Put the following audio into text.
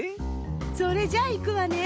それじゃいくわね。